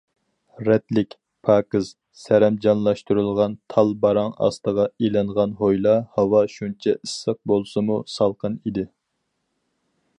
رەتلىك، پاكىز سەرەمجانلاشتۇرۇلغان، تال باراڭ ئاستىغا ئېلىنغان ھويلا ھاۋا شۇنچە ئىسسىق بولسىمۇ سالقىن ئىدى.